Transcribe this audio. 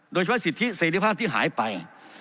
โดยชะว่าสิทธิเสร็จภาพที่หายไป